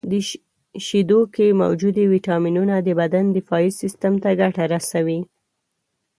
• د شیدو کې موجودې ویټامینونه د بدن دفاعي سیستم ته ګټه رسوي.